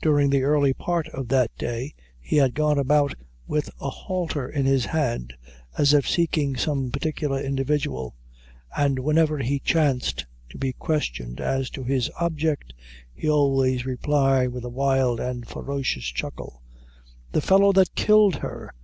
During the early part of that day he had gone about with a halter in his hand, as if seeking some particular individual; and whenever he chanced to be questioned as to his object, he always replied with a wild and ferocious chuckle "The fellow that killed her!